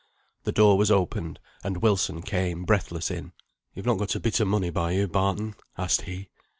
The door was opened, and Wilson came breathless in. "You've not got a bit o' money by you, Barton?" asked he.